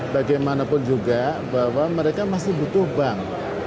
bagaimanapun juga bahwa mereka masih butuh bank